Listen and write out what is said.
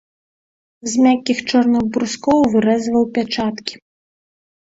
З мяккіх чорных брускоў вырэзваў пячаткі.